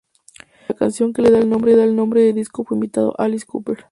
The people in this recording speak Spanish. Para la canción que le da el nombre al disco fue invitado Alice Cooper.